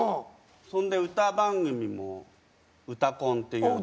そんで歌番組も「うたコン」っていう。